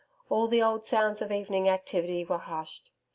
All the old sounds of evening activity were hushed.